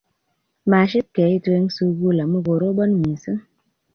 maship keitu eng' sukul amuu korobon mising